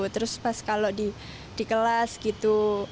terus pas kalau di kelas gitu